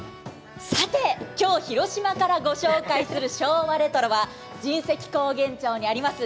さて、今日、広島からご紹介する昭和レトロは、神石高原町にあります